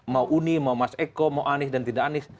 mau uni mau mas eko mau anies dan tidak anies